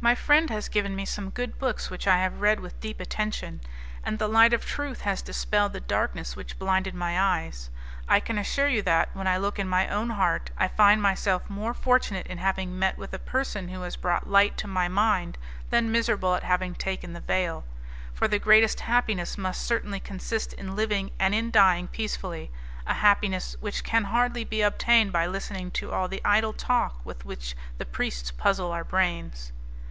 My friend has given me some good books which I have read with deep attention, and the light of truth has dispelled the darkness which blinded my eyes. I can assure you that, when I look in my own heart, I find myself more fortunate in having met with a person who has brought light to my mind than miserable at having taken the veil; for the greatest happiness must certainly consist in living and in dying peacefully a happiness which can hardly be obtained by listening to all the idle talk with which the priests puzzle our brains."